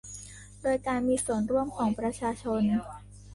โดยการมีส่วนร่วมของประชาชน